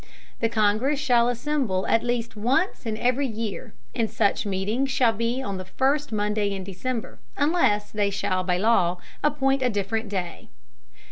The Congress shall assemble at least once in every Year, and such Meeting shall be on the first Monday in December, unless they shall by Law appoint a different Day.